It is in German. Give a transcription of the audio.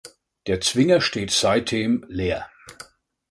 Der Zwinger steht seitdem leer.